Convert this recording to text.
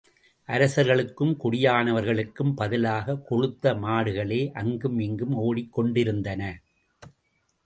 அரசர்களுக்கும் குடியானவர்களுக்கும் பதிலாகக் கொழுத்த மாடுகளே அங்குமிங்கும் ஓடிக்கொண்டிருந்தன.